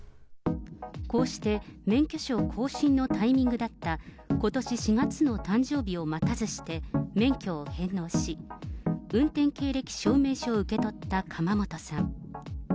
こうして免許証更新のタイミングだった、ことし４月の誕生日を待たずして免許を返納し、運転経歴証明書を受け取った釜本さん。